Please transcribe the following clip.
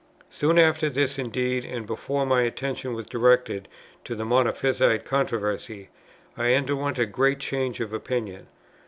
Soon after this indeed, and before my attention was directed to the Monophysite controversy, I underwent a great change of opinion.